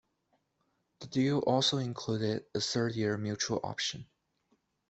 The deal also included a third-year mutual option.